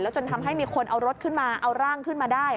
จนทำให้มีคนเอารถขึ้นมาเอาร่างขึ้นมาได้